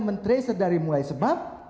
mentrace dari mulai sebab